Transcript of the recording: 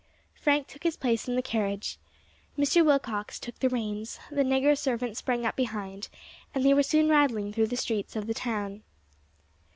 Frank took his place in the carriage, Mr. Willcox took the reins, the negro servant sprang up behind, and they were soon rattling through the streets of the town.